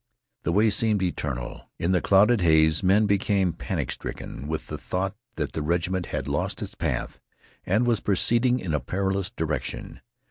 The way seemed eternal. In the clouded haze men became panicstricken with the thought that the regiment had lost its path, and was proceeding in a perilous direction.